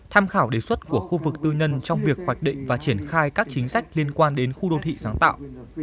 tham khảo đề xuất của khu vực tư nhân trong việc hoạch định và triển khai các chính sách liên quan đến khu đô thị sáng tạo